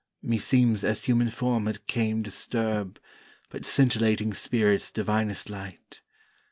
Meseems as human form it came disturb, But scintillating Spirit's divinest light.